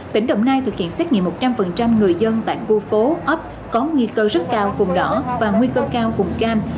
tỉnh đồng nai thực hiện xét nghiệm một trăm linh người dân tại khu phố ấp có nguy cơ rất cao vùng đỏ và nguy cơ cao vùng cam